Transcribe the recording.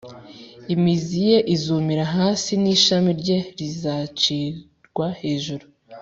imizi ye izumira hasi, n’ishami rye rizacirwa hejuru